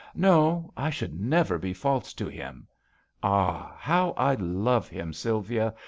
" No, I could never be false to him. Ah ! how I love him, Sylvia